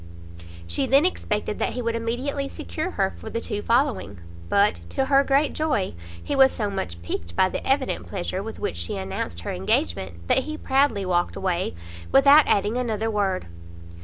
She then expected that he would immediately secure her for the two following; but, to her great joy, he was so much piqued by the evident pleasure with which she announced her engagement, that he proudly walked away without adding another word.